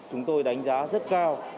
chúng tôi đánh giá rất cao